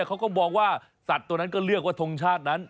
เขาก็มองว่าสัตว์ตัวนั้นก็เลือกว่าทงชาตินั้น